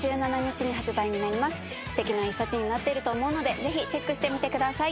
すてきな一冊になってると思うのでぜひチェックしてみてください。